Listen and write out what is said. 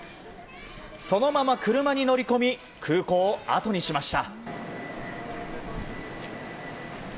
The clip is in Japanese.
そのまま車に乗り込み空港を後にしました。